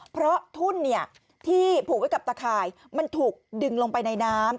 เพราะทุ่นที่ผูกไว้กับตะข่ายมันถูกดึงลงไปในน้ำ